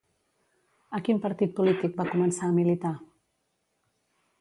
A quin partit polític va començar a militar?